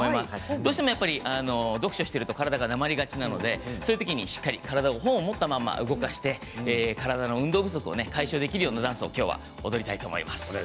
どうしても読書をしていると体がなまりがちなのでそういうときにしっかり本を持ったまま動かして体の運動不足を解消できるようなダンスを踊りたいと思います。